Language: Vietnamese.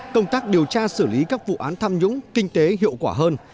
công tác điều tra xử lý các vụ án tham nhũng kinh tế hiệu quả hơn